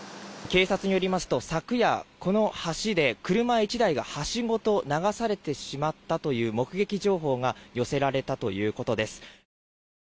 警察によりますと昨夜、この橋で車１台が橋ごと流されてしまったという目撃情報が寄せられたということです。